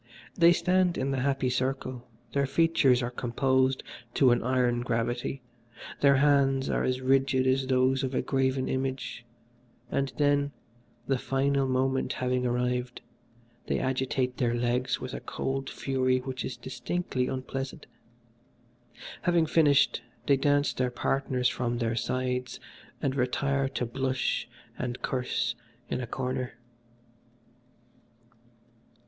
They stand in the happy circle, their features are composed to an iron gravity, their hands are as rigid as those of a graven image, and then, the fatal moment having arrived, they agitate their legs with a cold fury which is distinctly unpleasant. Having finished they dash their partners from their sides and retire to blush and curse in a corner.